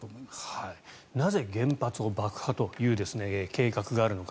なぜ原発を爆破という計画があるのか。